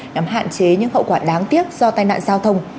nhằm hạn chế những hậu quả đáng tiếc do tai nạn giao thông